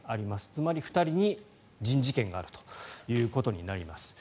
つまり２人に人事権があるということになります。